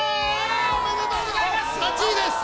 おめでとうございます８位です！